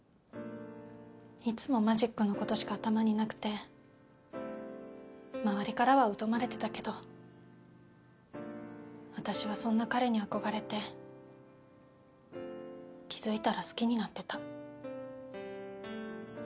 いつもマジックのことしか頭になくて周りからは疎まれてたけど私はそんな彼に憧れて気付いたら好きになってた。